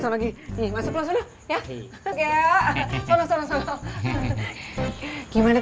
terbagi lo marah